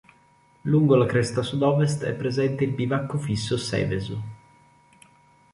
Lungo la cresta sud-ovest è presente il bivacco fisso Seveso.